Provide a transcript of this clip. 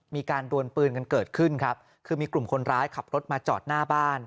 มีการดวนปืนกันเกิดขึ้นครับคือมีกลุ่มคนร้ายขับรถมาจอดหน้าบ้าน